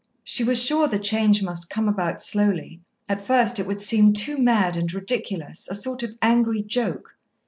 She was sure the change must come about slowly. At first it would seem too mad and ridiculous, a sort of angry joke.